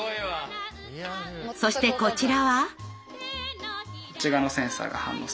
そしてこちらは。